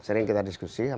sering kita diskusi